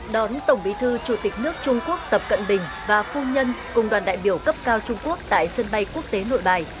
đón tổng bí thư chủ tịch nước trung quốc tập cận bình và phu nhân cùng đoàn đại biểu cấp cao trung quốc tại sân bay quốc tế nội bài